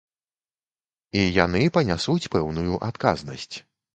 І яны панясуць пэўную адказнасць.